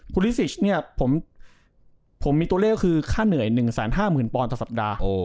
ฟูลิซิชผมมีตัวเรียกคือค่าเหนื่อย๑๕๐๐๐๐ปลอลต่อสัปดาห์